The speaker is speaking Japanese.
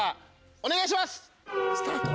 お願いします！